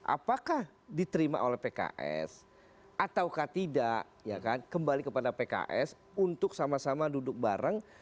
apakah diterima oleh pks ataukah tidak kembali kepada pks untuk sama sama duduk bareng